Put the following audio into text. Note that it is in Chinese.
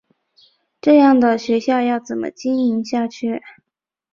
这样的学校要怎么经营下去？